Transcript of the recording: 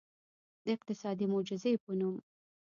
د اقتصادي معجزې په نوم.